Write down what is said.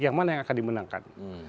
yang mana yang akan dimenangkan